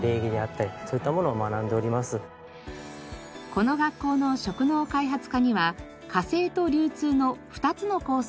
この学校の職能開発科には家政と流通の２つのコースがあります。